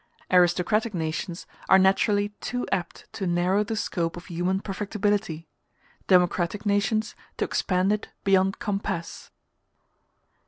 Aristocratic nations are naturally too apt to narrow the scope of human perfectibility; democratic nations to expand it beyond compass.